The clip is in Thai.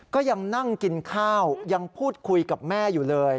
ก็ยังนั่งกินข้าวยังพูดคุยกับแม่อยู่เลย